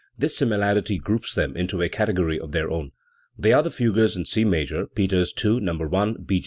This similarity groups them into a category of their own. They are the fugues in C major (Peters II, No. i; B.